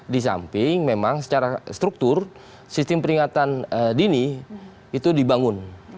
di samping memang secara struktur sistem peringatan dini itu dibangun